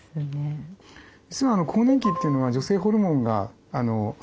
実は更年期というのは女性ホルモンが下がりますよね。